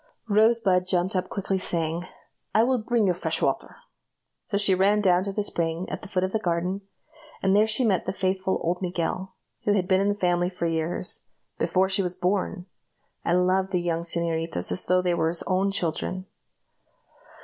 Rosebud jumped up quickly, saying, "I will bring you fresh water;" so she ran down to the spring at the foot of the garden, and there she met the faithful old Miguel who had been in the family for years before she was born, and loved the young señoritas as though they were his own children.